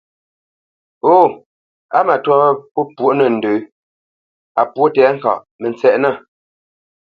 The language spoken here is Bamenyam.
Hô, á matwâ wâ pə́ pwôʼ nə̂ ndə̌, a pwô təŋgáʼ, mə tsɛʼnə̂!